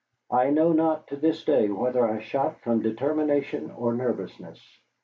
I know not to this day whether I shot from determination or nervousness.